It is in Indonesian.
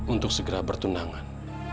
untuk segera bertunangan